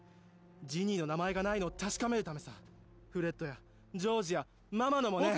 ジニーの名前がないのを確かめるためさフレッドやジョージやママのもね